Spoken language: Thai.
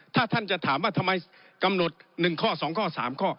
ถ้าท่านจะถามว่าทำไมกำหนด๑ข้อ๒ข้อ๓ข้อ